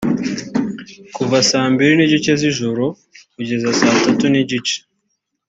kuva saa mbili n’igice z’ijoro kugera saa tatu n’igice